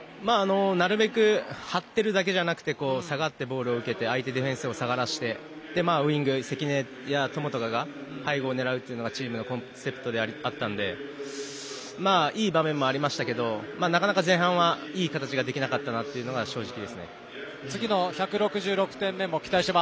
なるべく張ってるだけじゃなくて下がってボールを受けて相手ディフェンスを下がらせてウイング、関根とかが背後を狙うというのがチームのコンセプトだったのでいい場面もありましたけどなかなか前半はいい形ができなかったなというのが次の１６６点目もはい。